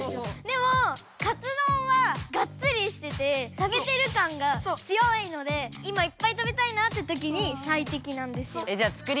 でもカツ丼はガッツリしてて食べてる感が強いので今いっぱい食べたいなってときにさいてきなんですよ。